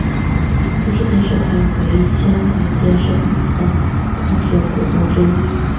富士电视台为台湾电视公司的创始股东之一。